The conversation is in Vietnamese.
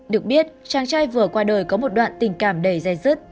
được biết chàng trai vừa qua đời có một đoạn tình cảm đầy dây dứt